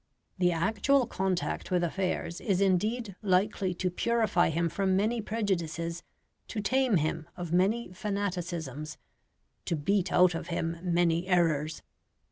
The actual contact with affairs is indeed likely to purify him from many prejudices, to tame him of many fanaticisms, to beat out of him many errors.